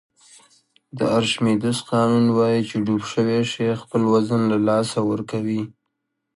د ارشمیدس قانون وایي چې ډوب شوی شی خپل وزن له لاسه ورکوي.